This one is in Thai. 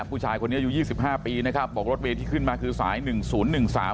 ผู้ชายคนนี้อายุยี่สิบห้าปีนะครับบอกรถเมย์ที่ขึ้นมาคือสายหนึ่งศูนย์หนึ่งสาม